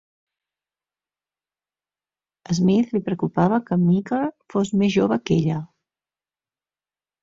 A Smith li preocupava que Meeker fos més jove que ella.